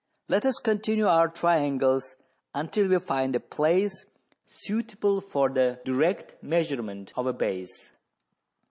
Let us continue our triangles until we find a place suitable for the direct measurement of a base.